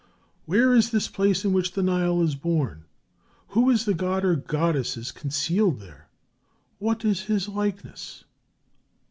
Where is the place in which the Nile is born? Who is the god or goddess concealed there? What is his likeness?"